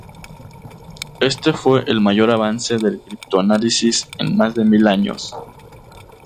Este fue el mayor avance del criptoanálisis en más de mil años.